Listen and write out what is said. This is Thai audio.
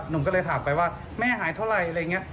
หนูก็เลยถามไปว่าแม่หายเท่าไหร่อะไรอย่างนี้